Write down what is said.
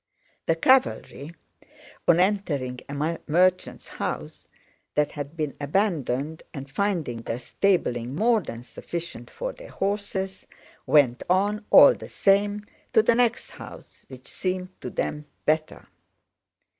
The cavalry, on entering a merchant's house that had been abandoned and finding there stabling more than sufficient for their horses, went on, all the same, to the next house which seemed to them better.